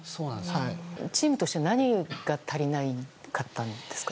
チームとして何が足りなかったんですか？